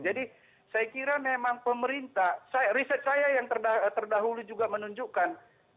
saya kira memang pemerintah riset saya yang terdahulu juga menunjukkan